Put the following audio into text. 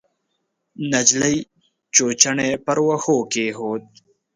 نجلۍ چوچوڼی پر وښو کېښود.